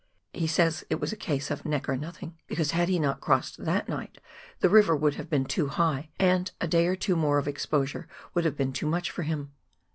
He says it was a case of "neck or nothing," because had he not crossed that night the river would have been too high, and a day or two . more of exposure would have been too much for him.